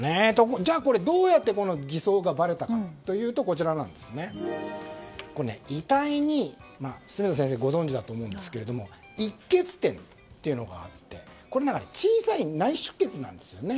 じゃあ、どうやって偽装がばれたかというと遺体に住田さんはご存じだと思うんですが溢血点というのがあってこれは小さい内出血なんです。